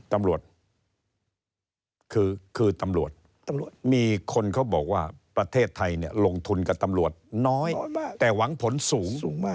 ตำรวจคือตำรวจมีคนเขาบอกว่าประเทศไทยเนี่ยลงทุนกับตำรวจน้อยแต่หวังผลสูงมาก